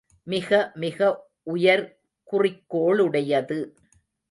மிக மிக உயர் குறிக்கோளுடையது.